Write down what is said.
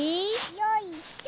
よいしょ。